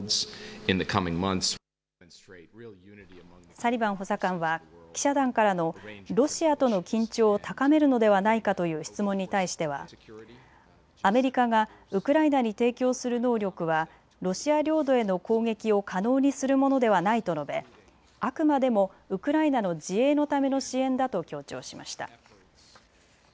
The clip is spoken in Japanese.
サリバン補佐官は記者団からのロシアとの緊張を高めるのではないかという質問に対してはアメリカがウクライナに提供する能力はロシア領土への攻撃を可能にするものではないと述べあくまでもウクライナの自衛のための支援だと強調しました。